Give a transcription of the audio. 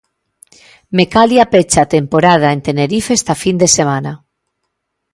Mecalia pecha a temporada en Tenerife esta fin de semana.